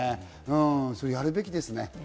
やるべきですね。